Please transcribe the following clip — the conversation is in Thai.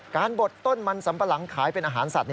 บดต้นมันสัมปะหลังขายเป็นอาหารสัตว